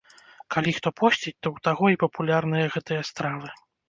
Калі хто посціць, то ў таго і папулярныя гэтыя стравы.